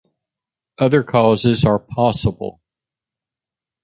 Other causes are possible.